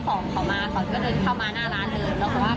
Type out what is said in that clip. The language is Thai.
แต่จริงอ่ะผมอยากได้เป็นข้อมือในน้ำหนัก๒สรรือ